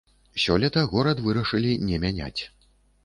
Сёлета горад вырашылі не мяняць.